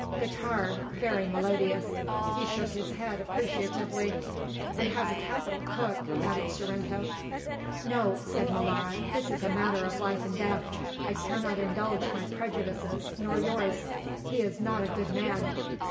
"Guitar, very melodious." He shook his head appreciatively. "And has a capital cook," added Sorrento. "No," said Molara; "this is a matter of life and death. I cannot indulge my prejudices, nor yours; he is not a good man."